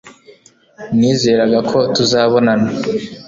nizeraga ko tuzabonana